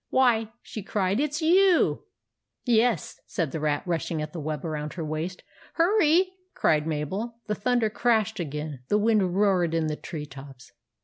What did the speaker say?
" Why !" she cried. " It 's you !"" Yes," said the Rat, rushing at the web around her waist. "Hurry!" cried Mabel. The thunder crashed again. The wind roared in the tree tops.